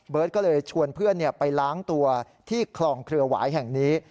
ก็เลยชวนเพื่อนไปล้างตัวที่คลองเครือหวายแห่งนี้